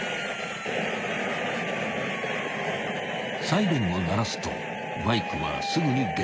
［サイレンを鳴らすとバイクはすぐに減速］